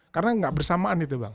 karena gak bersamaan itu bang